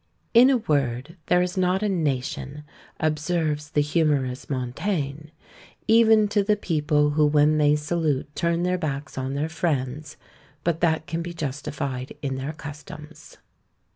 In a word, there is not a nation, observes the humorous Montaigne, even to the people who when they salute turn their backs on their friends, but that can be justified in their customs.